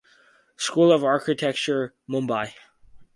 School of Architecture, Mumbai.